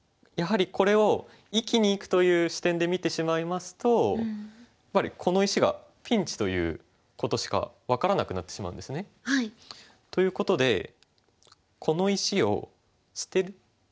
やはりこれを生きにいくという視点で見てしまいますとやっぱりこの石がピンチということしか分からなくなってしまうんですね。ということでこの石を捨てる。